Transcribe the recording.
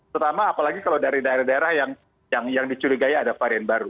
terutama apalagi kalau dari daerah daerah yang dicurigai ada varian baru